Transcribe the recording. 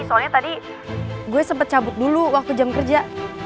soalnya tadi gue sempat cabut dulu waktu jam kerja